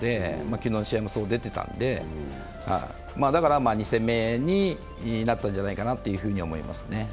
昨日の試合も出ていたので、だから２戦目になったんじゃないかなと思いますね。